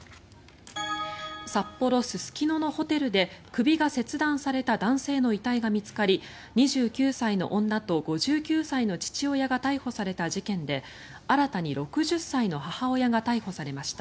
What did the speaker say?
札幌・すすきののホテルで首が切断された男性の遺体が見つかり２９歳の女と５９歳の父親が逮捕された事件で新たに６０歳の母親が逮捕されました。